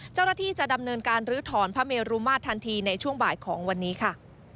เจ้าหน้าที่จะดำเนินการลื้อถอนพระเมรุมาตรทันทีในช่วงบ่ายของวันนี้ค่ะ